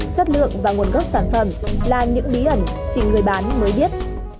chất lượng và nguồn gốc sản phẩm là những bí ẩn chỉ người bán mới biết